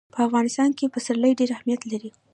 په افغانستان کې پسرلی ډېر اهمیت لري.